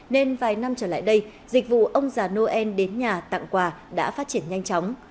nên vài năm trở lại đây dịch vụ ông già noel đến nhà tặng quà đã phát triển nhanh chóng